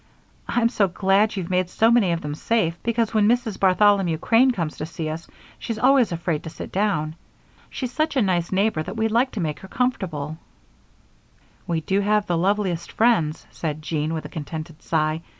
I'm so glad you've made so many of them safe, because, when Mrs. Bartholomew Crane comes to see us, she's always afraid to sit down. She's such a nice neighbor that we'd like to make her comfortable." "We do have the loveliest friends," said Jean, with a contented sigh.